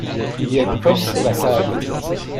Il y a une pomme sur la table.